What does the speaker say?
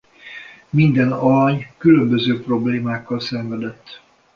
Minden alany különböző problémákkal szenvedett.